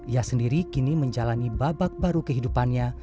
ia sendiri kini menjalani babak baru kehidupannya